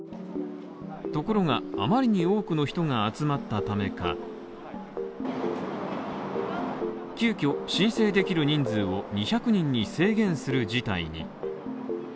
ところが、あまりに多くの人が集まったためか急きょ申請できる人数を２００人に制限する事態に。